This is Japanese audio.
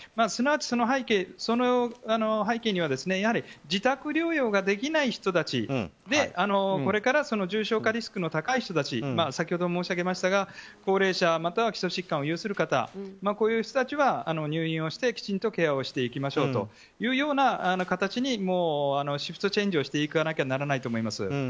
すなわち、その背景には自宅療養ができない人たちでこれから重症化リスクの高い人たち先ほど申し上げましたが高齢者、または基礎疾患を有する方こういう人たちは入院をしてきちんとケアをしていきましょうというような形にシフトチェンジをしていかなきゃならないと思います。